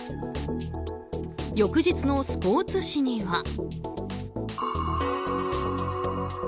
翌日のスポーツ紙には。